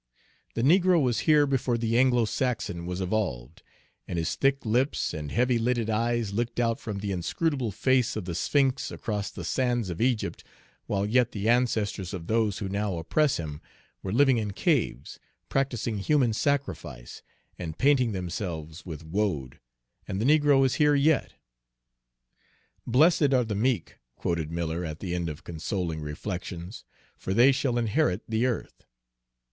The negro was here before the Anglo Saxon was evolved, and his thick lips and heavy lidded eyes looked out from the inscrutable face of the Sphinx across the sands of Egypt while yet the ancestors of those who now oppress him were living in caves, practicing human sacrifice, and painting themselves with woad and the negro is here yet. "'Blessed are the meek,'" quoted Miller at the end of these consoling reflections, "'for they shall inherit the earth.'